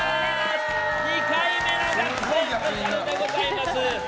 ２回目の学生スペシャルでございます。